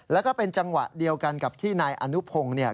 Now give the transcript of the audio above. แล้วก็เป็นจังหวะเดียวกันกับที่นายอนุพงศ์เนี่ย